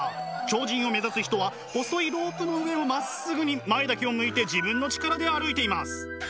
超人を目指す人は細いロープの上をまっすぐに前だけを向いて自分の力で歩いています。